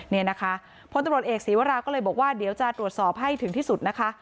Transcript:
นี่นะคะพลตำรวจเอกศีวราก็เลยบอกว่าเดี๋ยวจะตรวจสอบให้ถึงที่สุดนะคะ